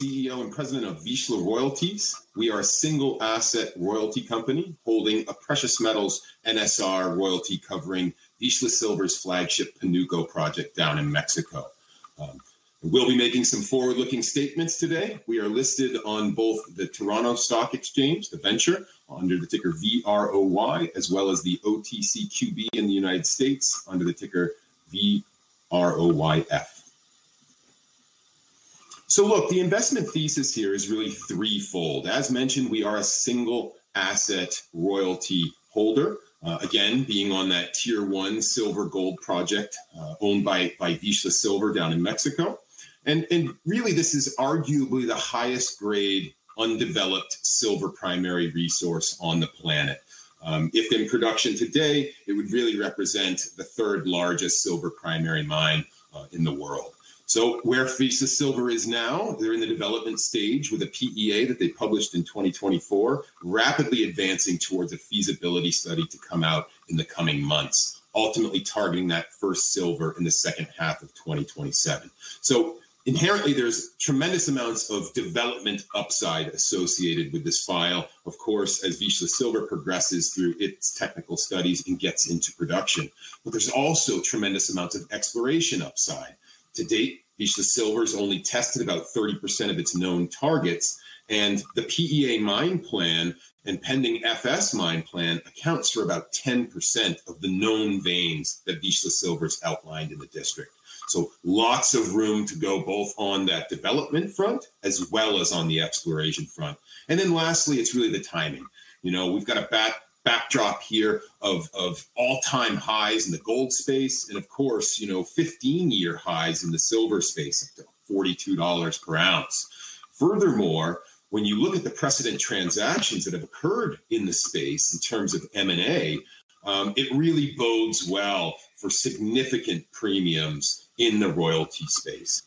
CEO and President of Vizsla Royalties. We are a single asset royalty company holding a precious metals NSR royalty covering Vizsla Silver's flagship Panuco project down in Mexico. We'll be making some forward-looking statements today. We are listed on both the TSX Venture Exchange under the ticker VROY, as well as the OTCQB in the United States under the ticker VROYF. The investment thesis here is really threefold. As mentioned, we are a single asset royalty holder, again being on that Tier 1 silver gold project owned by Vizsla Silver down in Mexico. This is arguably the highest grade undeveloped silver primary resource on the planet. If in production today, it would really represent the third largest silver primary mine in the world. Where Vizsla Silver is now, they're in the development stage with a PEA that they published in 2024, rapidly advancing towards a feasibility study to come out in the coming months, ultimately targeting that first silver in the second half of 2027. Inherently, there's tremendous amounts of development upside associated with this file. Of course, as Vizsla Silver progresses through its technical studies and gets into production, there's also tremendous amounts of exploration upside. To date, Vizsla Silver's only tested about 30% of its known targets, and the PEA mine plan and pending FS mine plan accounts for about 10% of the known veins that Vizsla Silver's outlined in the district. Lots of room to go both on that development front as well as on the exploration front. Lastly, it's really the timing. We've got a backdrop here of all-time highs in the gold space and, of course, 15-year highs in the silver space at $42 per ounce. Furthermore, when you look at the precedent transactions that have occurred in the space in terms of M&A, it really bodes well for significant premiums in the royalty space.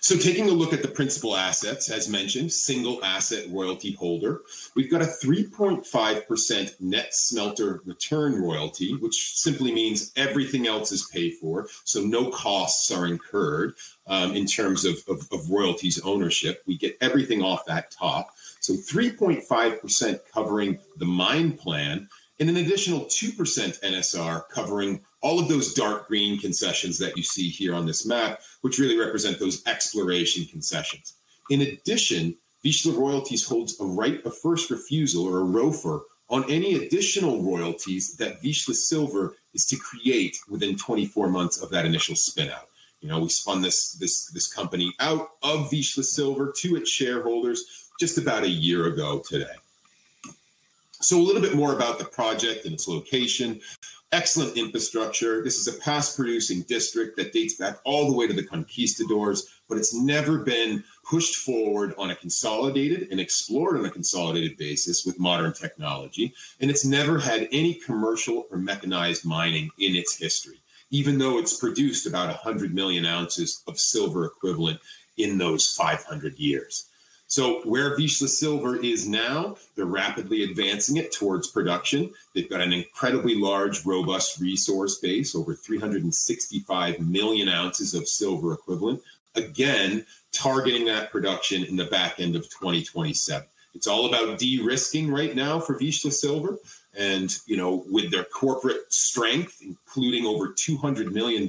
Taking a look at the principal assets, as mentioned, single asset royalty holder, we've got a 3.5% net smelter return royalty, which simply means everything else is paid for, so no costs are incurred in terms of royalties ownership. We get everything off that top. 3.5% covering the mine plan and an additional 2% NSR covering all of those dark green concessions that you see here on this map, which really represent those exploration concessions. In addition, Vizsla Royalties holds a right of first refusal or a ROFR on any additional royalties that Vizsla Silver is to create within 24 months of that initial spin-out. We spun this company out of Vizsla Silver to its shareholders just about a year ago today. A little bit more about the project and its location. Excellent infrastructure. This is a past-producing district that dates back all the way to the conquistadors, but it's never been pushed forward on a consolidated and explored on a consolidated basis with modern technology. It's never had any commercial or mechanized mining in its history, even though it's produced about 100 million ounces of silver equivalent in those 500 years. Where Vizsla Silver is now, they're rapidly advancing it towards production. They've got an incredibly large, robust resource base, over 365 million ounces of silver equivalent, again targeting that production in the back end of 2027. It's all about de-risking right now for Vizsla Silver. With their corporate strength, including over $200 million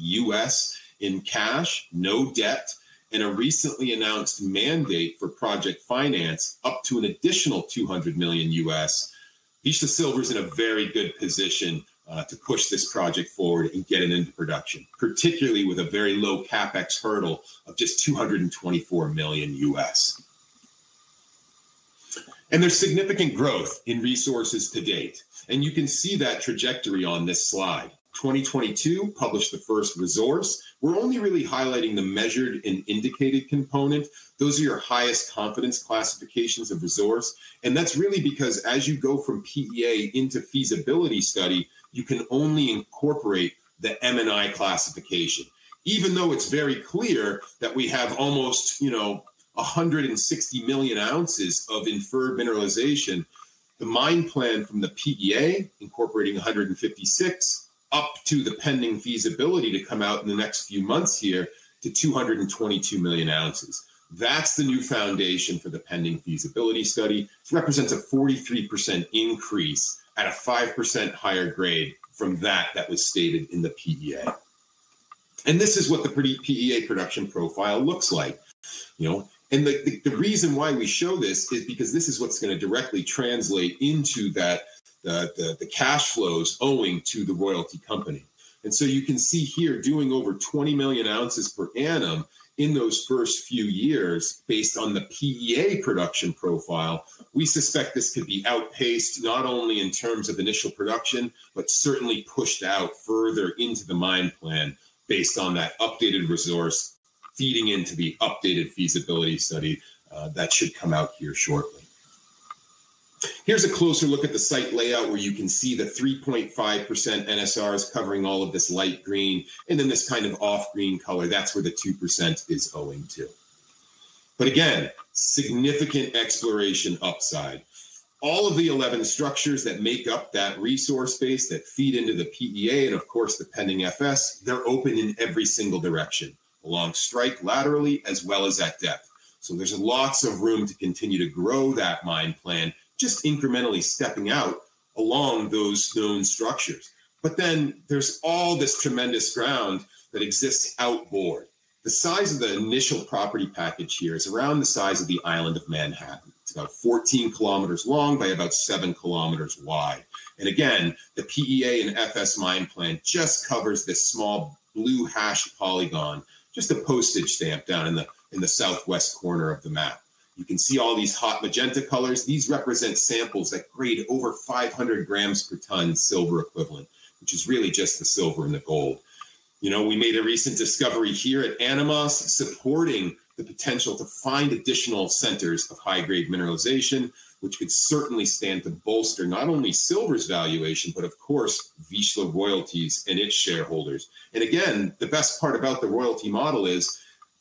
U.S. in cash, no debt, and a recently announced mandate for project finance up to an additional $200 million U.S., Vizsla Silver's in a very good position to push this project forward and get it into production, particularly with a very low CapEx hurdle of just $224 million U.S. There's significant growth in resources to date. You can see that trajectory on this slide. 2022 published the first resource. We're only really highlighting the measured and indicated component. Those are your highest confidence classifications of resource. That's really because as you go from PEA into feasibility study, you can only incorporate the M&I classification. Even though it's very clear that we have almost 160 million ounces of inferred mineralization, the mine plan from the PEA incorporating 156 up to the pending feasibility to come out in the next few months here to 222 million ounces. That's the new foundation for the pending feasibility study. It represents a 43% increase at a 5% higher grade from that that was stated in the PEA. This is what the PEA production profile looks like. The reason why we show this is because this is what's going to directly translate into the cash flows owing to the royalty company. You can see here doing over 20 million ounces per annum in those first few years based on the PEA production profile. We suspect this could be outpaced not only in terms of initial production, but certainly pushed out further into the mine plan based on that updated resource feeding into the updated feasibility study that should come out here shortly. Here's a closer look at the site layout where you can see the 3.5% NSR is covering all of this light green and then this kind of off green color. That's where the 2% is owing to. Again, significant exploration upside. All of the 11 structures that make up that resource base that feed into the PEA and of course the pending FS, they're open in every single direction along strike laterally as well as at depth. There's lots of room to continue to grow that mine plan just incrementally stepping out along those known structures. There's all this tremendous ground that exists outboard. The size of the initial property package here is around the size of the island of Manhattan. It's about 14 kilometers long by about 7 kilometers wide. The PEA and FS mine plan just covers this small blue hash polygon, just a postage stamp down in the southwest corner of the map. You can see all these hot magenta colors. These represent samples that grade over 500 grams per ton silver equivalent, which is really just the silver and the gold. We made a recent discovery here at Animas supporting the potential to find additional centers of high-grade mineralization, which could certainly stand to bolster not only Silver's valuation, but of course Vizsla Royalties and its shareholders. The best part about the royalty model is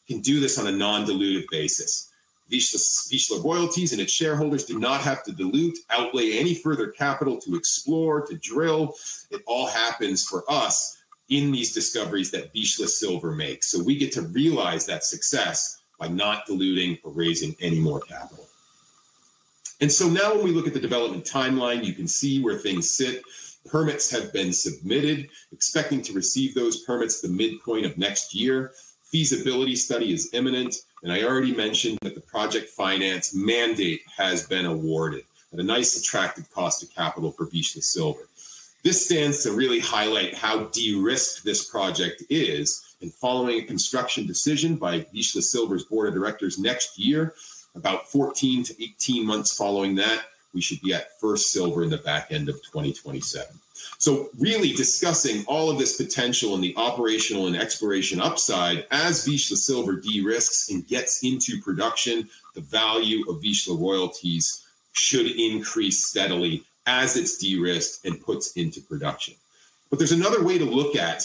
you can do this on a non-dilutive basis. Vizsla Royalties and its shareholders do not have to dilute, outlay any further capital to explore, to drill. It all happens for us in these discoveries that Vizsla Silver makes. We get to realize that success by not diluting or raising any more capital. Now when we look at the development timeline, you can see where things sit. Permits have been submitted, expecting to receive those permits at the midpoint of next year. Feasibility study is imminent. I already mentioned that the project finance mandate has been awarded with a nice attractive cost of capital for Vizsla Silver. This stands to really highlight how de-risked this project is. Following a construction decision by Vizsla Silver's board of directors next year, about 14 to 18 months following that, we should be at first silver in the back end of 2027. Really discussing all of this potential in the operational and exploration upside as Vizsla Silver de-risks and gets into production, the value of Vizsla Royalties should increase steadily as it's de-risked and puts into production. There's another way to look at,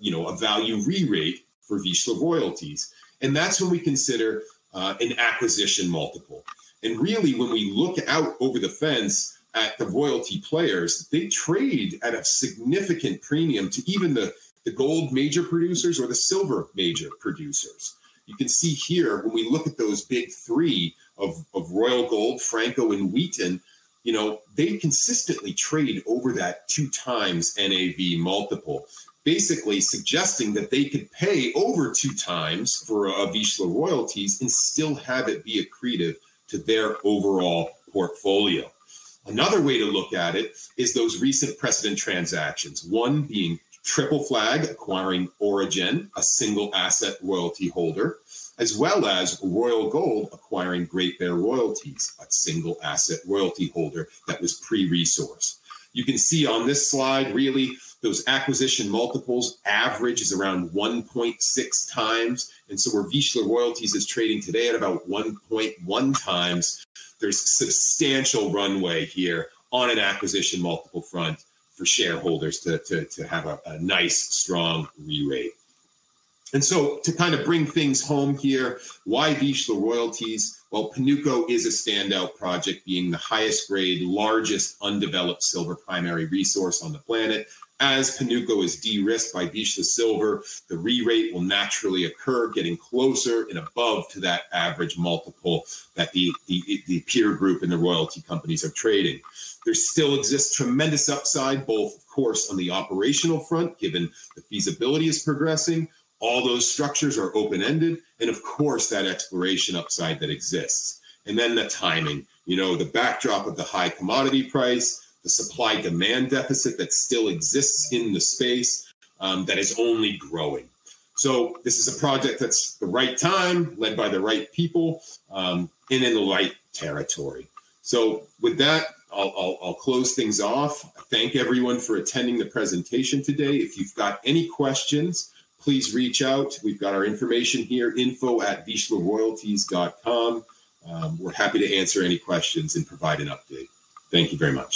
you know, a value re-rate for Vizsla Royalties. That's when we consider an acquisition multiple. Really, when we look out over the fence at the royalty players, they trade at a significant premium to even the gold major producers or the silver major producers. You can see here when we look at those big three of Royal Gold, Franco, and Wheaton, they consistently trade over that two times NAV multiple, basically suggesting that they could pay over two times for Vizsla Royalties and still have it be accretive to their overall portfolio. Another way to look at it is those recent precedent transactions, one being Triple Flag acquiring Origen, a single asset royalty holder, as well as Royal Gold acquiring Great Bear Royalties, a single asset royalty holder that was pre-resourced. You can see on this slide those acquisition multiples average around 1.6 times. Where Vizsla Royalties is trading today at about 1.1 times, there's substantial runway here on an acquisition multiple front for shareholders to have a nice strong re-rate. To kind of bring things home here, why Vizsla Royalties? Pernuco is a standout project being the highest grade, largest undeveloped silver primary resource on the planet. As Pernuco is de-risked by Vizsla Silver, the re-rate will naturally occur, getting closer and above to that average multiple that the peer group and the royalty companies are trading. There still exists tremendous upside, both of course on the operational front, given the feasibility is progressing, all those structures are open-ended, and of course that exploration upside that exists. The timing, you know, the backdrop of the high commodity price, the supply-demand deficit that still exists in the space, that is only growing. This is a project that's the right time, led by the right people, and in the right territory. With that, I'll close things off. Thank everyone for attending the presentation today. If you've got any questions, please reach out. We've got our information here, info@vizslaroyalties.com. We're happy to answer any questions and provide an update. Thank you very much.